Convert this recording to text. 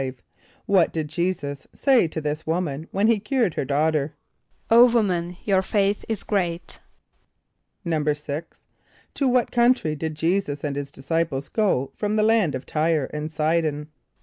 = What did J[=e]´[s+]us say to this woman when he cured her daughter? ="O woman, your faith is great."= =6.= To what country did J[=e]´[s+]us and his disciples go from the land of T[=y]re and S[=i]´d[)o]n?